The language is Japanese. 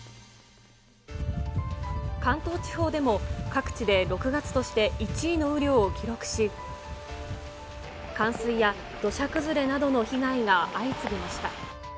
関東地方でも、各地で６月として１位の雨量を記録し、冠水や土砂崩れなどの被害が相次ぎました。